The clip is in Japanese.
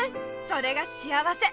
それが幸せ。